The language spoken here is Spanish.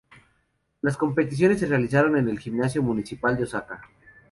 Las competiciones se realizaron en el Gimnasio Municipal de Osaka.